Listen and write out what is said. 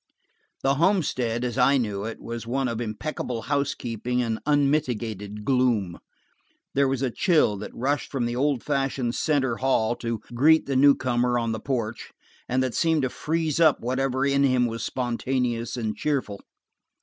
The homestead as I knew it, was one of impeccable housekeeping and unmitigated gloom. There was a chill that rushed from the old fashioned center hall to greet the new comer on the porch, and that seemed to freeze up whatever in him was spontaneous and cheerful.